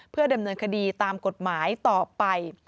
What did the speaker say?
เพื่อดำเนินคดีตามกฎหมายต่อไป